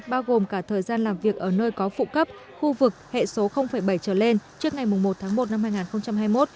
bao gồm cả thời gian làm việc ở nơi có phụ cấp khu vực hệ số bảy trở lên trước ngày một tháng một năm hai nghìn hai mươi một